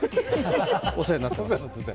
お世話になってます。